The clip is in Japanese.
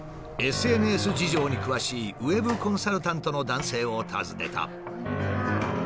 ＳＮＳ事情に詳しいＷｅｂコンサルタントの男性を訪ねた。